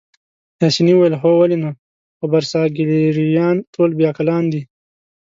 پاسیني وویل: هو ولې نه، خو برساګلیریايان ټول بې عقلان دي.